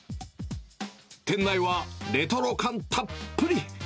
店内はレトロ感たっぷり。